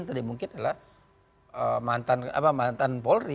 tadi mungkin adalah mantan polri